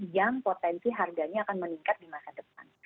yang potensi harganya akan meningkat di masa depan